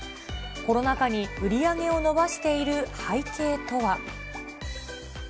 コロナ禍に売り上げを伸ばしている背景とは。